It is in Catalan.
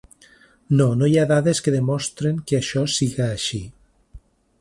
No, no hi ha dades que demostren que això siga així.